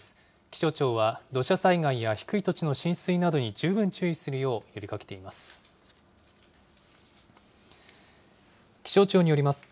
気象庁は土砂災害や低い土地の浸水などに十分注意するよう、呼びかけています。